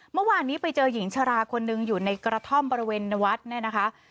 เมื่อวานนี้ไปเจอหญิงชราคนหนึ่งอยู่ในกระท่อมบริเวณวัดเนี่ยนะคะ